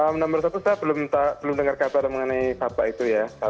menurut saya belum dengar kabar mengenai fatwa itu ya